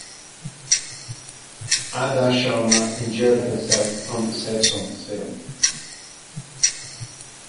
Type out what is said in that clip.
Adah Sharma injured herself on the sets of the film.